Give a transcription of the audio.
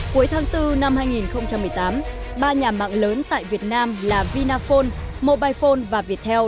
cuối tháng bốn năm hai nghìn một mươi tám ba nhà mạng lớn tại việt nam là vinaphone mobile phone và viettel